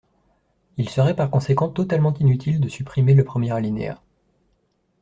Il serait par conséquent totalement inutile de supprimer le premier alinéa.